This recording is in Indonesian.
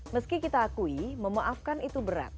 meski kita akui memaafkan itu berat